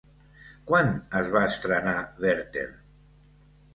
Quan es va estrenar Werther?